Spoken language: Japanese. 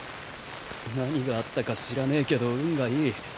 何があったか知らねぇけど運がいい。